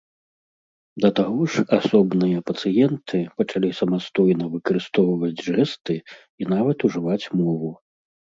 Да таго ж асобныя пацыенты пачалі самастойна выкарыстоўваць жэсты і нават ужываць мову.